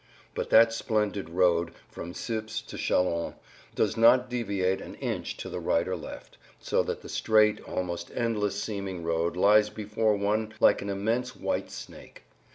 But that splendid road from Suippes to Châlons does not deviate an inch to the right or left, so that the straight, almost endless seeming road lies before one like an immense white snake.